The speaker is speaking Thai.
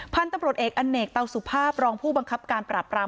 ผ้านตัมรวจเอกอเนกเต้าสุภาพรองผู้บังคับการปราบปราม